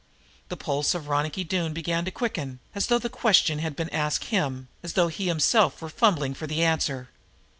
The pulse of Ronicky Doone began to quicken, as though the question had been asked him, as though he himself were fumbling for the answer.